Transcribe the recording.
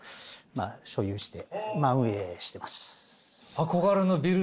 まあ所有して運営してます。